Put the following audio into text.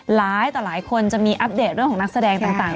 ต่อหลายคนจะมีอัปเดตเรื่องของนักแสดงต่าง